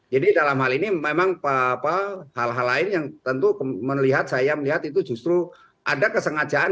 jadi dalam hal ini memang hal hal lain yang tentu saya melihat itu justru ada kesengajaan